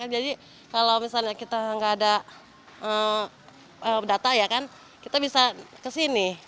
jadi kalau misalnya kita nggak ada data ya kan kita bisa kesini